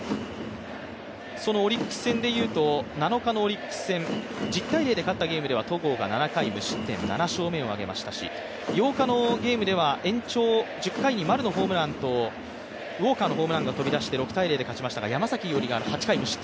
そのオリックス戦でいうと７日のオリックス戦、実態例で勝った例でいうと、戸郷が７回無失点、７勝目を挙げましたし、８日のゲームでは延長１０回に丸のホームランと、ウォーカーのホームランで勝ちました。